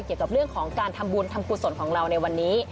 เกี่ยวกับเรื่องของการทำบุญทำกุศลของเราในวันนี้